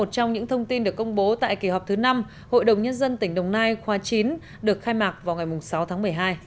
một trong những thông tin được công bố tại kỳ họp thứ năm hội đồng nhân dân tỉnh đồng nai khoa chín được khai mạc vào ngày sáu tháng một mươi hai